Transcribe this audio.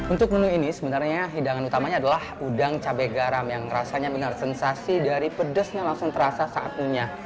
untuk menu ini sebenarnya hidangan utamanya adalah udang cabai garam yang rasanya benar sensasi dari pedesnya langsung terasa saat punya